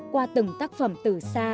qua từng tác phẩm tử sa